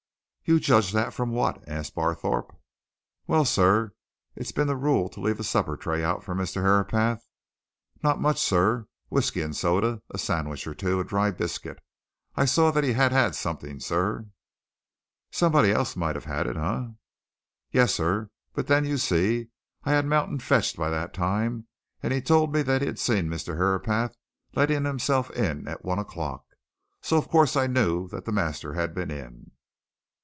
"You judged that from what?" asked Barthorpe. "Well, sir, it's been the rule to leave a supper tray out for Mr. Herapath. Not much, sir whisky and soda, a sandwich or two, a dry biscuit. I saw that he'd had something, sir." "Somebody else might have had it eh?" "Yes, sir, but then you see, I'd had Mountain fetched by that time, and he told me that he'd seen Mr. Herapath letting himself in at one o'clock. So of course I knew the master had been in."